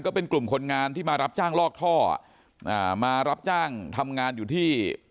เป็นกลุ่มคนงานที่มารับจ้างลอกท่ออ่ามารับจ้างทำงานอยู่ที่